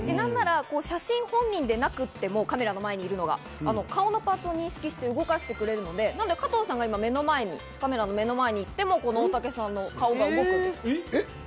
写真本人でなくても、カメラの前にいるのが顔のパーツを認識して動かしてくれるので、加藤さんが目の前に行っても大竹さんの顔が動くんです。